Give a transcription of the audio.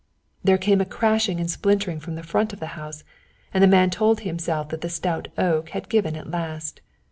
There came a crashing and splintering from the front of the house, and the man told himself that the stout oak had given at last.